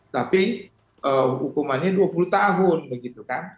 tapi hukumannya dua puluh tahun